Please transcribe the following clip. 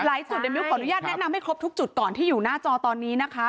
จุดเดี๋ยวมิ้วขออนุญาตแนะนำให้ครบทุกจุดก่อนที่อยู่หน้าจอตอนนี้นะคะ